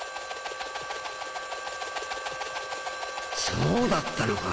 そうだったのか。